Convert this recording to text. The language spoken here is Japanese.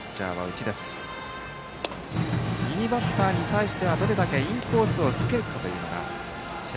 右バッターに対してどれだけインコースを突けるかという試合